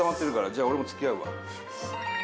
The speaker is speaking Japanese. じゃあ俺も付き合うわ。